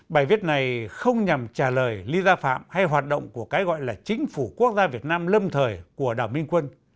bài viết này không nhằm trả lời lý gia phạm hay hoạt động của cái gọi là chính phủ quốc gia việt nam lâm thời của đảo minh quân